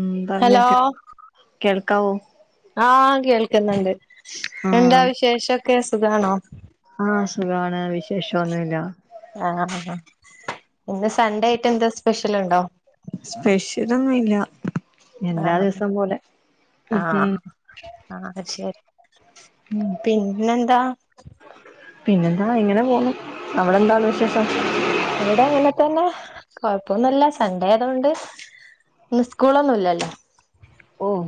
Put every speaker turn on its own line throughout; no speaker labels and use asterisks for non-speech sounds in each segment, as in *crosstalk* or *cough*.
ഉം
ഹലോ
പങ്ങെക്കെ കേൾക്കാവോ
ആഹ് കേൾക്ക്ന്ന്ണ്ട് എന്താ
ആഹ്
വിശേഷൊക്കെ സുഖാണോ
ആഹ് സുഖാണ് വിശേഷവൊന്നുവില്ല.
ആഹ് ഹാ ഹാ ഇന്ന് സൺഡേ ആയിട്ട് എന്ത്‌ സ്പെഷ്യലോണ്ടോ?
സ്പെഷ്യലൊന്നുവില്ല എല്ലാ
ആഹ്
ദിവസോം പോലെ ഉം ഉം
ആഹ് ആഹ് ശെരി
ഉം
പിന്നെന്താ
പിന്നെന്താ ഇങ്ങനെ പോണു അവടെന്താണ് വിശേഷം
ഇവിടെ അങ്ങനെ തന്നെ കൊഴപ്പൊന്നുല്ല സൺഡേ ആയതുകൊണ്ട്. ഇന്ന് സ്കൂളൊന്നുല്ലല്ലോ
ഓഹ്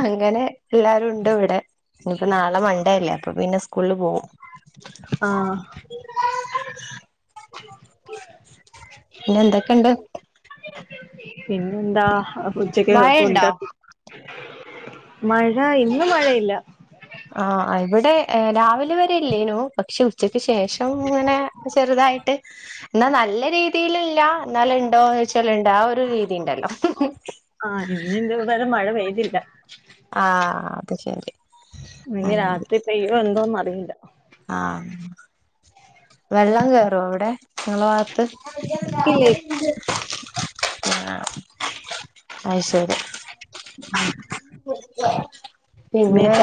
അങ്ങനെ എല്ലാരും ഉണ്ട് ഇവടെ ഇനിപ്പോ നാളെ മണ്ടേയല്ലേ അപ്പോ പിന്നെ സ്കൂളില് പോവും.
ആഹ്
പിന്നെ എന്തൊക്കെണ്ട്
പിന്നെ എന്താ ഉച്ചക്ക് ഫുഡ
മഴയുണ്ടോ
മഴ ഇന്നും മഴയില്ല
ആ ഇവിടെ രാവിലെ വരെ ഇല്ലേനു പക്ഷെ ഉച്ചയ്ക്ക് ശേഷം ഇങ്ങനെ ചെറുതായിട്ട് എന്നാ നല്ല രീതിൽ ഇല്ല എന്നാല് ഇണ്ടോന്ന് ചോയിച്ചാൽ ഇണ്ടോ ആ ഒരു രീതിണ്ടല്ലോ
ആഹ് ഇന്ന് എന്തായാലും മഴ പെയ്തില്ല
ആഹ അപ്പെ ശരി
ഇന്ന് രാത്രി പെയ്യൊന്ന് എന്തോന്നു അറിയില്ല.
ആഹ വെള്ളം കേറു അവിടെ നിങ്ങള ഭാഗത്ത്
ഇല്ലേ
ആ അഹ് ശരി പിന്നെ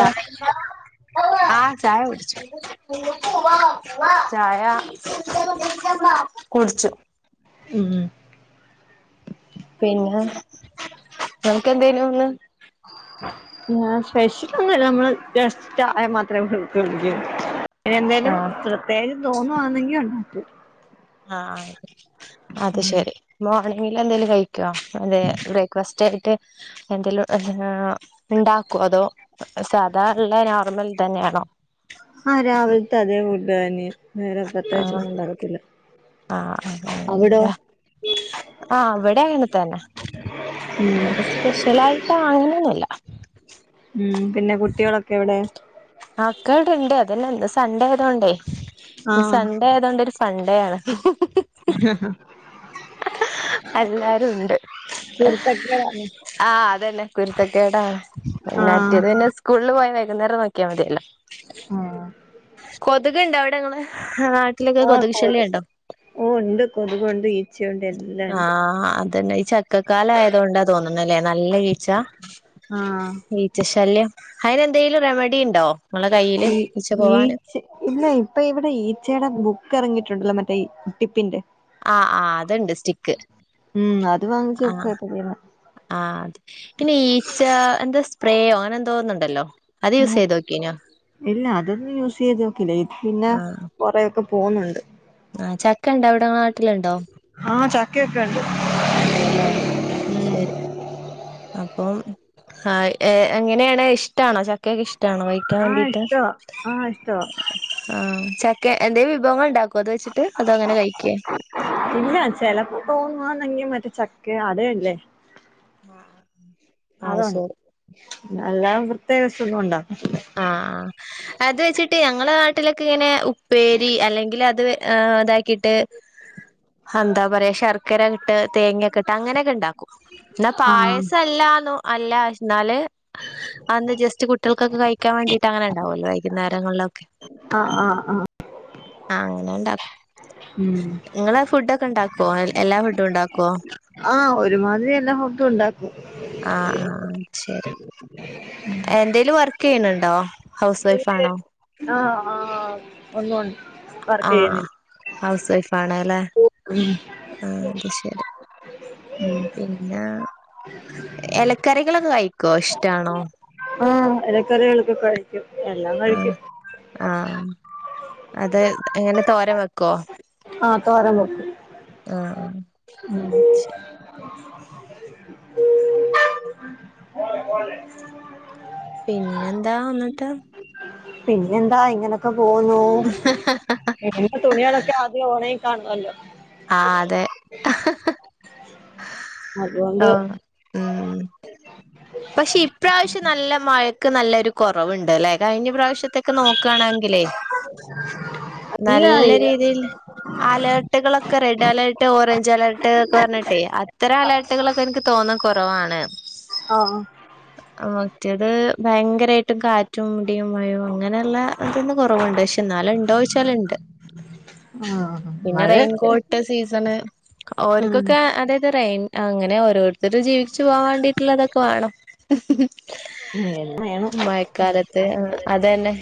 ആഹ ചായ കുടിച് ചായ കുടിച്ചു
*unintelligible*
പിന്നെ നമക്ക്ന്തേനുംന്ന് *inaudible*
സ്പെഷ്യൽ ഒന്നുല്ല നമ്മള് ജസ്റ്റ് ചായ മാത്രേ കുടിക്കെള്ളു എന്തേനു
ആഹ്
പ്രത്യേകിച്ച് തോന്നുവാണങ്കി ഉണ്ടാക്കും
ആ അ ആയിക്കോട്ടെ അത് ശെരി മോർണിങ്ങിൽ എന്തേലും കഴിക്കോ അതെ ബ്രേക്ക്ഫാസ്റ്റ് ആയിട്ട്? എന്തേലും ആഹ് ഇണ്ടാക്കോ അതോ സാധാ ഇള്ള നോർമൽ തന്നെയാണോ?
ആഹ് രാവിലത്തെ അതേ ഫുഡ്തന്നെയാ വേറെ പ്രത്യേകിച്ചൊന്നും ഒണ്ടക്കത്തില്ല.
ആഹ *unintelligible* ആ വിടെ അങ്ങനെ തന്നെ
ഉം
ഇവിടെ സ്പെഷ്യലായിട്ട് അങ്ങനൊന്നുല്ല
ഉം പിന്നെ കുട്ടികളൊക്കെ എവിടെ?
ആക്കടെ ഇണ്ട് അതന്ന സൺഡേ ആയതോണ്ടേ
ആഹ്
സൺഡേ ആയതോണ്ട് ഒരു സൺണ്ടേ ആണ്
*unintelligible*
എല്ലാരും ഉണ്ട്
കുരുത്തക്കേടാണ്
ആ അതന്നെ കുരുത്തക്കേടാണ് പിന്നെ
ആഹ്
മറ്റേത് പിന്നെ സ്കൂളിൽ പോയാ വൈകുന്നേരം നോക്കിയാൽ മതിയല്ലോ
ആഹ്
ഇതൊക്കെ ഇണ്ട അവിടെങ്ങള് ആഹ്
ആഹ് കൊത് ഓഹ് ഉണ്ട് കൊതുകുണ്ട് ഈച്ചണ്ട് എല്ലാം ഉണ്ട്
ആഹ് അതന്നെ ഈ ചക്കക്കാലയത് കൊണ്ടാ തോന്നല്ലേ നല്ല ഈച്ച
ആഹ്
ഈച്ച ശല്യം അതിന് എന്തെങ്കിലും റെമഡി ഇണ്ടോ ഇങ്ങളെ കയ്യില്
ഈ
ഈച്ച പോവാന്
ഈച്ച ഇല്ല ഇപ്പൊ ഇവിടെ ഈച്ചയുടെ ബുക്ക് ഇറങ്ങിയിട്ടുണ്ടല്ലോ മറ്റേ ഉട്ടിപ്പിന്റെ
ആഹ് ആഹ് അതുണ്ട് സ്റ്റിക്ക്
ഉം അത് വാങ്ങിച്ച്
ആഹ്
വെക്കുവാ ഇപ്പൊ ചെയ്യുന്നെ
ആ അതെ പിന്നെ ഈച്ച എന്താ സ്പ്രേയോ അങ്ങനെ എന്തോന്നുണ്ടല്ലോ അത് യൂസ്
ആ
ചെയ്ത് നോക്കീനോ
ഇല്ല അതൊന്നും യൂസ് ചെയ്ത് നോക്കില്ലേ പിന്നെ
ആഹ്
കുറെക്കെ പോന്നുണ്ട്
ആഹ് ചക്കണ്ടോ അവിടെ നാട്ടിലുണ്ടോ
ആഹ് ചക്കയൊക്കെണ്ട്
ഉണ്ടല്ലേ ആഹ് ശരി അപ്പം ആ എങ്ങനെയാണ് ഇഷ്ടണോ ചക്ക ക്കക്കെ ഇഷ്ടാണോ കഴിക്കാൻ
ആഹ്
വേണ്ടിട്ട്
ഇഷ്ടവാ ആഹ് ഇഷ്ടവാ
ആഹ് ചക്ക എന്തേ വിഭവങ്ങൾ ഉണ്ടാക്കോ അത് വെച്ചിട്ട് അതോ അങ്ങനെ കഴിക്കേ
ഇല്ല ചിലപ്പോ തോന്നുവാങ്കി മറ്റേ ചക്ക അതല്ലേ
ആഹ് ശരി
നല്ലാ പ്രത്യേക സുഖണ്ടോ
ആഹ് അത് വെച്ചിട്ട് ഞങ്ങളെ നാട്ടിലൊക്കെ ഇങ്ങനെ ഉപ്പേരി അല്ലെങ്കിൽ അത് ആ അതാക്കിട്ട് ഹന്താ പറയാ ശർക്കരകേട്ട് തേങ്ങക്കിട്ട് അങ്ങനെയൊക്കെ ഉണ്ടാക്കും. എടാ
ആഹ്
പായസ്സലാന്നു അല്ല എന്നാല് അന്ന് ജസ്റ്റ് കുട്ടികൾക്കൊക്കെ കഴി കാൻവേണ്ടി അങ്ങനെ ഉണ്ടാവല്ലോ വൈകുന്നരങ്ങളൊക്കെ.
ആഹ് ആഹ് ആഹ്
ആഹ് അങ്ങനെ ഇണ്ടാക്കും
മ്
നിങ്ങള് ഫുഡൊക്കെ ഉണ്ടാക്കുവോ എല്ലാ ഫുഡും ഉണ്ടാക്കുവോ?
ആഹ് ഒരുമാതിരി എല്ലാ ഫുഡ്ഡും ഉണ്ടാക്കും.
ആഹ് ആഹ് ശരി. എന്തേലും വർക്ക് ചെയ്യണുണ്ടോ ഹൗസ് വൈഫ്
പിന്നെ
ആണോ?
ആഹ് ആഹ് ഒന്നുണ്ട്.
ആഹ് ഹൗസ് വൈഫ് ആണല്ലേ ആ അത് ശരി. പിന്നെ ഇലക്കറികളൊക്കെ കഴിക്കുവോ ഇഷ്ടാണോ?
ആഹ് ഇലക്കറികളൊക്കെ കഴിക്കും എല്ലാം
ആഹ്
കഴിക്കും
ആഹ് അത് എങ്ങനെ തോരൻ വെക്കുവോ?
ആഹ് തോരൻ വേക്കും
ആഹ്
ഉം
ആഹ് പിന്നെന്താന്നിട്ട്
പിനെന്താ ഇങ്ങനൊക്കെ പോന്നു. *unintelligible* തുണികളൊക്കെ ആദ്യം ഓണയിൽ കാണല്ലോ.
ആഹ് അതെ.
അതുകൊണ്ട്
ആഹ് മ് പക്ഷെ ഇപ്രാവശ്യം നല്ല മഴക്ക് നല്ലൊരു കുറവുണ്ട്ല്ലേ കഴിഞ്ഞ പ്രാവശ്യം ഷത്തെക്കെ നോക്കാണെങ്കിലേ
അല്ല
നല്ല
ഇത്
രീതിൽ. അലർട്ടുകളൊക്കെ റെഡ് അലേർട്ട് ഓറഞ്ച് അലേർട്ട് ഒക്കെ പറഞ്ഞിട്ടെ അത്ര അലേർട്ട് അലേർട്ട്ളൊക്കെ എനിക്ക് തോന്ന കുറവാണ്.
ആഹ്
*unintelligible* അഹ് മറ്റേത് ഭയങ്കരമായിട്ടും കാറ്റും ഇടിയും മഴയും അങ്ങനെയുള്ള ഇതൊന്ന് കുറവുണ്ട്. ന്നാലും ഉണ്ടോ ചോയ്ച്ചാൽ ഉണ്ട്
ആ
പിന്നെ
മഴയൊക്കെ
റെയിൻകോട്ട്. ഇ സീസണ്
ഉം
ഓർക്കൊക്കെ അതായത് റെയിൻ. അങ്ങനെ ഓരോരുത്തരും ജീവിച്ച് പോവാൻ വേണ്ടിട്ടുള്ളതൊക്കെ വേണം.
*inaudible*
മഴക്കാലത്ത് അതന്നെ.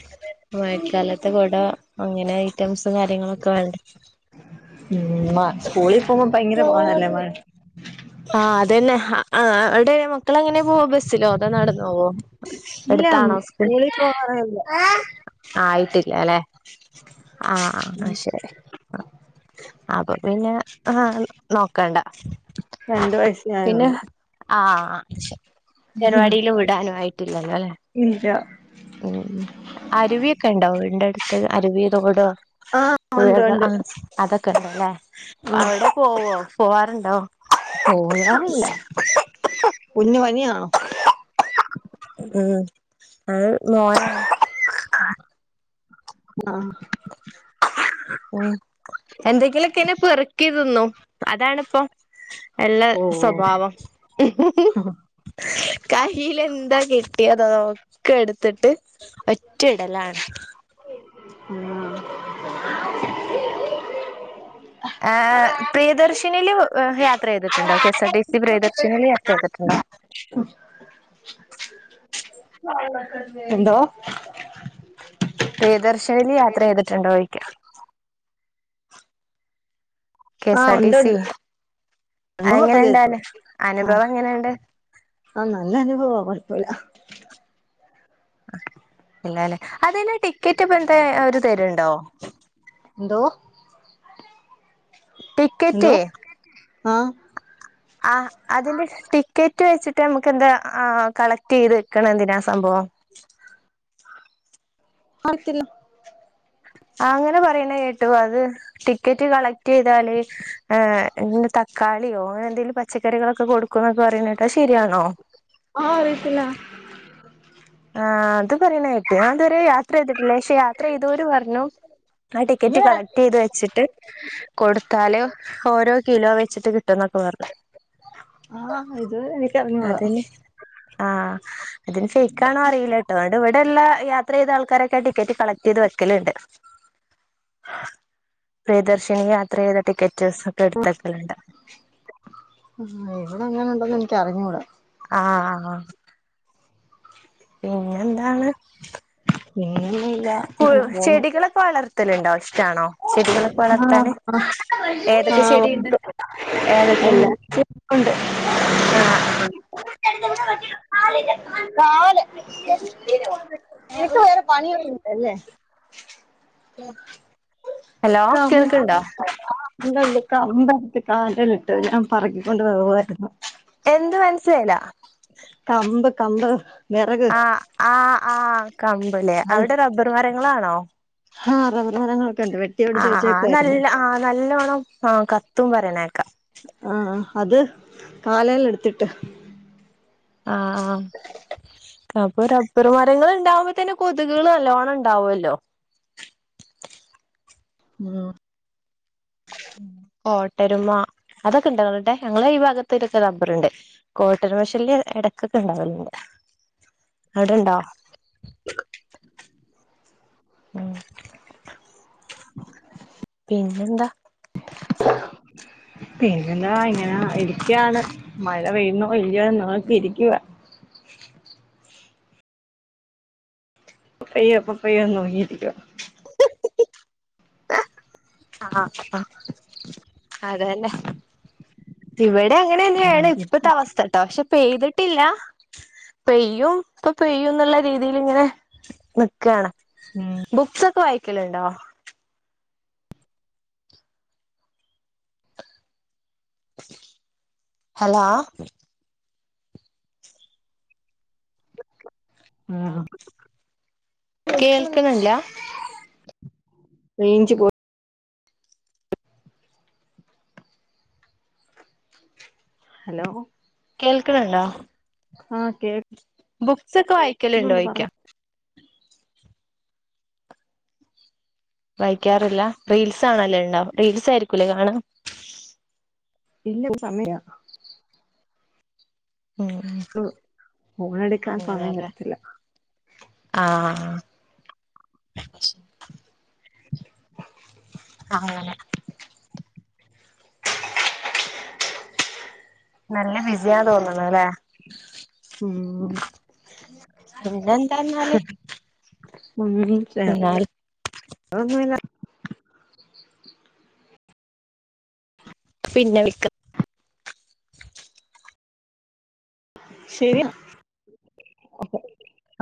മഴക്കാലത്ത് കുട അങ്ങനെ ഐറ്റംസും കാര്യങ്ങളൊക്കെ വേണ്ടെ.
സ്കൂളിൽ പോവാൻ ഭയങ്കര പാടല്ലേ
ചോറ് ആഹ് അതന്നെ അവിടെ മക്കൾ ഏങ്ങനെയാ പോവ ബസ്സിലോ അതാ നടന്നോ?
ഇല്ല
എടുത്താണോ സ്കൂൾ
സ്കൂളിൽ പോകാറില്ല
ആയിട്ടില്ലലെ. ആഹ് ശരി. അപ്പോ പിന്നെ ആ നോക്കണ്ട.
രണ്ട് വയസ്.
പിന്നെ ആഹ് ജനവാടിൽ വിടാനും ആയിട്ടില്ലല്ലോല്ലെ.
ഇല്ല.
ഉം അരുവിയൊക്കെ ഉണ്ടാ വീടിന്റെ അടുത്ത് അരുവിയോ തോടോ.
ആ ഉണ്ട്
പുഴകൾ
ഉണ്ട്
അതൊക്കെ ഉണ്ടല്ലേ
ആ
അവിടെ പോവോ പോവാറുണ്ടോ?
പോകാറില്ല കുഞ്ഞു പനിയാണോ?
ഉം മോനാ
ആ
ഉം എന്തെങ്കിലൊക്കെ ഇനെ പെറുക്കി തിന്നും അതാണിപ്പൊ. എല്ലാ
ഓ
സ്വഭാവം. കയ്യിൽ എന്താ കിട്ടിയത് അതൊക്കെ എട്ത്തിട്ട് ഒറ്റ ഇടലാണ്
ഉം *unintelligible*
അങ്ങനെയാണ് ഹ പ്രിയദർശിനീല് യാത്ര ചെയ്തിട്ടുണ്ടോ K S R T C പ്രിയദർശിനീല് യാത്ര ചെയ്തിട്ടുണ്ടോ
എന്തോ
പ്രിയദർശിനീൽ യാത്ര ചെയ്തിട്ടുണ്ടോ ചോയിക്കാ കെ എസ്
ആഹ
ആർ
ഉ *unintelligible*
ടി
ണ്ട്
സി
ഉണ്ട്
അതെങ്ങനെണ്ട് അന അനുഭവം എങ്ങനെണ്ട്
ആഹ നല്ല അനുഭവ കൊഴപ്പല്ല
ഇല്ലല്ലേ അതിന്ന് ടിക്കറ്റ് ഇപ്പ എന്താ ഒരു തരുണ്ടോ
എന്തോ എന്തോ
ടിക്കറ്റ്
ആഹ
ആ അതിന്റെ ടിക്കറ്റ് വെച്ചിട്ട് നമുക്ക് എന്താ ആ കളക്ട് ചെയ്ത് വെക്ക്ണ എന്തിനാ സംഭവം
അറിയത്തില്ല
ആ അങ്ങനെ പറയ്ണെ കേട്ടു അത് ടിക്കറ്റ് കളക്ട് ചെയ്താല് ഏ എന്താ തക്കാളിയോ അങ്ങനെ എന്തെങ്കിലും പച്ചക്കറികളൊക്കെ കൊടുക്കും എന്നൊക്കെ പറിയ്ണെ കേട്ട് അഹ് ശരിയാണോ
ഓ അറിയത്തില്ല
ആഹ അത് പറയ്ണേട്ട് ഞാൻ ഇതുവരെ യാത്ര ചെയ്തിട്ടില്ല യാത്ര ചെയ്തോര് പറഞ്ഞു ആ
ഇഞ്ഞ്
ടിക്കറ്റ്
പറ
കളക്ട് ചെയ്ത് വെച്ചിട്ട് കൊടുത്താല് ഓരോ കിലോ വെച്ചിട്ട് കിട്ടുംന്നൊക്കെ പറഞ്ഞു
ആഹ് ഇത് എനിക്കറിഞ്ഞൂടാ
ആഹ അതിന് ണോ അറീല്ലട്ടോ ഇവിടെ എല്ലാ യാത്ര ചെയ്ത ആൾക്കാരൊക്കെ ടിക്കറ്റ് കളക്ട് ചെയ്ത് വെക്കൽണ്ട് പ്രിയദർശിനി യാത്ര ചെയത ടിക്കെറ്റ്സ് ഒക്കെ എട്ത്തക്കൽണ്ട്
ആ ഇവിടെ അങ്ങനെ ഉണ്ടന്ന് എനിക്കറിഞ്ഞൂട
ആഹ ആ ആ പിന്നെ എന്താണ്
പിന്നൊന്നുല്ല അങ്ങനെ പോന്നു
ചെടികളൊക്കെ വളർത്തലുണ്ടോ ഇഷ്ടാണോ ചെടികളൊക്കെ വളർത്താന്
ആ
ഏതൊക്കെ
ആ
ചെടിയുണ്ട്
ഒണ്ട്
ഏതൊക്കെയുണ്ട്
എല്ലാരുണ്ട്.
*unintelligible*
കാല് നിനക്ക് വേറെ പണിയൊന്നുല്ലല്ലേ? *unintelligible*
ഹലോ
ആ
കേൾക്ക്ണ്ടോ
ഒണ്ട് ഒണ്ട് കമ്പ് എടുത്തു കാലേൽ ഇട്ട് ഞാൻ പറക്കിക്കൊണ്ട് പോവായിരുന്നു.
എന്ത് മനസ്സിലായില്ല?
കമ്പ് കമ്പ്. വെറക്
ആ ആ ആ കമ്പല്ലേ
അത്
അവിടെ റബ്ബർ മരങ്ങളാണോ?
ആ റബ്ബർ മരങ്ങളൊക്കെ ഉണ്ട്
ആ
വെട്ടിയൊടിച്ച് വെച്ചേക്കുവായിരുന്നു.
നല്ല ആ നല്ലോണം ആ കത്തും പറയ്ണേക്കാ.
ആഹ അത് കാലേൽ എടുത്തിട്ട്.
ആഹ ആഹ അപ്പൊ റബ്ബർ മരങ്ങൾ ഇണ്ടാവുമ്പോ തന്നെ കൊതുകുകളും നല്ലോണം ഇണ്ടാവുല്ലോ?
ഉ
കോട്ടെരുമ അതൊക്കെ ഇണ്ട്. നിങ്ങളേടെ ഞങ്ങളെ ഈ ഭാഗത്തോക്കെ റബ്ബർ ഇണ്ട്. കോട്ടെരുമ ശല്യം ഇടക്കൊക്കെ ഇണ്ടാവൽണ്ട് അവിടെണ്ടോ?
*unintelligible*
ഉം
*unintelligible*
പിന്നെന്താ? *unintelligible*
പിന്നെന്താ ഇങ്ങനെ ഇരിക്കാണ് മഴ പെയ്യുന്നോ ഇല്ലിയോ നോക്കി ഇരിക്കുവാ. ഇപ്പൊ പെയ്യോ ഇപ്പൊ പെയ്യോ നോക്കിയിരിക്കുവാ.
ആഹ ആ അതേലെ ഇവിടെ അങ്ങനെ
ഉം.
ഏണ് ഇപ്പത്തെ
ഇപ്പം
അവസ്ഥട്ടോ പക്ഷെ പെയ്തിട്ടില്ല. പെയ്യും ഇപ്പൊപെയ്യുന്നുള്ള രീതിൽ ഇങ്ങനെ നിക്കാണ്
ഉം
ബുക്സൊക്കെ വായിക്കലിണ്ടോ? ഹലോ? ഹലോ..
ആഹ്
കേൾക്ണില്ലാ?
റേഞ്ച് പോ- ഹലോ
കേൾക്കണണ്ടോ?
ആഹ് കേ
ബുക്സൊക്കെ വായിക്കലുണ്ടോയിക്കാ? വായിക്കാറില്ല. റീൽസ് ആണല്ലേ ഇണ്ടാവും റീൽസ് ആയിരിക്കൂല്ലേ കാണ
ഇല്ല സമയില്ല.
ഉം
ഫോണെടുക്ക സമയം
അങ്ങനെല്ലേ
കിട്ടത്തില്ല.
ആഹ്
*unintelligible*
ആഹ് അങ്ങനെ. നല്ല വിസിയാ തോന്നുണൂല്ലേ? പിന്നെന്താന്നാല്
ഉം
എന്നാൽ
*unintelligible*
പിന്നെ വിള്ക
ശരി.